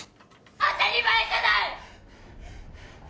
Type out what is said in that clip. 当たり前じゃない！